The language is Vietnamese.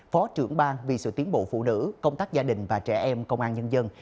phó trưởng bang vì sự tiến bộ phụ nữ công tác gia đình và trẻ em công an nhân dân